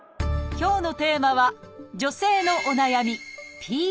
今日のテーマは女性のお悩み